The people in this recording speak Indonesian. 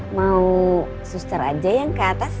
mau suster aja yang ke atas